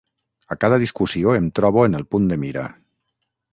A cada discussió em trobo en el punt de mira.